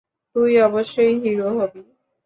তুই অবশ্যই হিরো হবি।